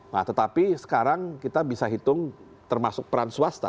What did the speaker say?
nah tetapi sekarang kita bisa hitung termasuk peran swasta